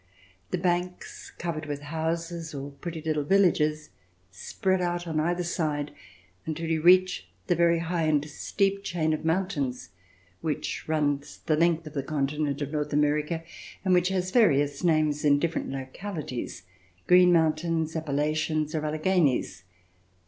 The banks, covered with houses or pretty little villages, spread out on either side, until you reach the very high and steep chain of mountains which runs the length of the continent of North America and which has various names In different localities: Green Mountains, Appalachians, or Alleghanles.